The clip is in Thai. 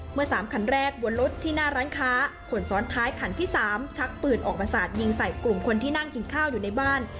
เมื่อ๓คันแรกบนรถที่หน้าร้านค้าคนซ้อนท้ายคันที่๓ชักปืนออกมาสาดยิงใส่กลุ่มคนที่นั่งกินข้าวอยู่ในบ้าน